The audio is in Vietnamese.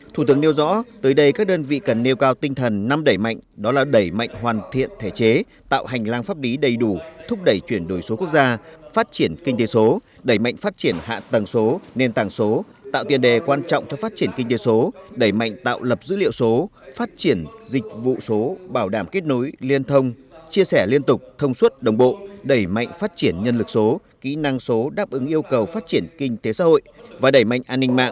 thủ tướng nêu rõ tới đây các đơn vị cần nêu cao tinh thần năm đẩy mạnh đó là đẩy mạnh hoàn thiện thể chế tạo hành lang pháp lý đầy đủ thúc đẩy chuyển đổi số quốc gia phát triển kinh tế số đẩy mạnh phát triển hạ tàng số nền tàng số tạo tiền đề quan trọng cho phát triển kinh tế số đẩy mạnh tạo lập dữ liệu số phát triển dịch vụ số bảo đảm kết nối liên thông chia sẻ liên tục thông suất đồng bộ đẩy mạnh phát triển nhân lực số kỹ năng số đáp ứng yêu cầu phát triển kinh tế xã h